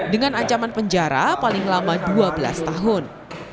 dengan ancaman penjara paling lama dua belas tahun